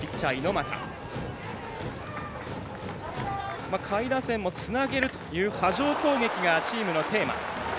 下位打線もつなげるという波状攻撃がチームのテーマ。